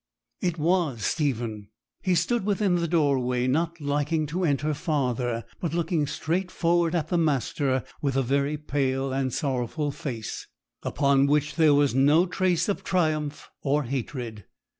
It was Stephen. He stood within the doorway, not liking to enter farther, but looking straight forward at the master with a very pale and sorrowful face, upon which there was no trace of triumph or hatred.